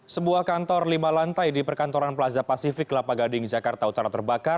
sebuah kantor lima lantai di perkantoran plaza pasifik kelapa gading jakarta utara terbakar